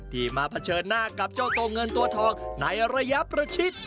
มาเผชิญหน้ากับเจ้าตัวเงินตัวทองในระยะประชิด